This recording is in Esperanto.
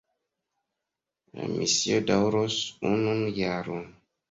La misio daŭros unun jaron.